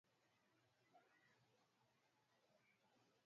Haribu jina jenga mwili.